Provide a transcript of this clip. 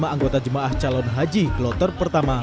dua ratus delapan puluh lima anggota jemaah calon haji kloter pertama